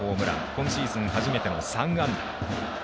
今シーズン初めての３安打。